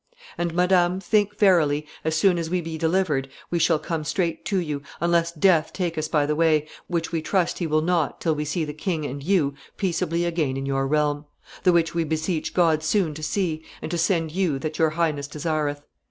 "And, madam, think verily, as soon as we be delivered, we shall come straight to you, unless death take us by the way, which we trust he will not till we see the king and you peaceably again in your realm; the which we beseech God soon to see, and to send you that your highness desireth.